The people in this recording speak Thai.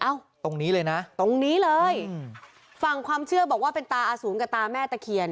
ตรงนี้เลยนะตรงนี้เลยอืมฝั่งความเชื่อบอกว่าเป็นตาอสูรกับตาแม่ตะเคียน